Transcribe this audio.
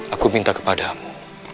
aku minta kepadamu